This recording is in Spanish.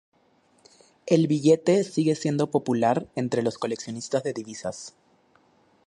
El billete sigue siendo popular entre los coleccionistas de divisas.